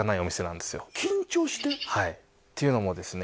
はいっていうのもですね